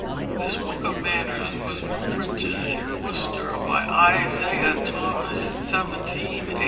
This book of manners was reprinted in Worcester by Isaiah Thomas in 1787.